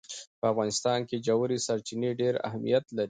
په افغانستان کې ژورې سرچینې ډېر اهمیت لري.